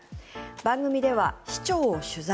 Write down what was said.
番組では市長を取材。